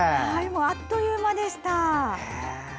あっという間でした。